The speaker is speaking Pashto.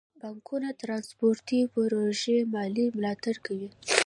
بانکونه د ترانسپورتي پروژو مالي ملاتړ کوي.